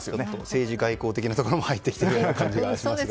政治・外交的なところも入ってきている感じがしますが。